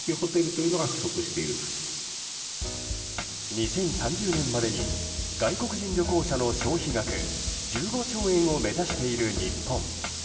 ２０３０年までに外国人旅行者の消費額１５兆円を目指している日本。